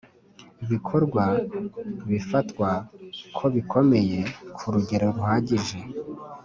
bikorwa bifatwa ko bikomeye kurugero ruhagije